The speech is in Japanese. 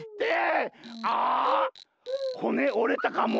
・あほねおれたかも。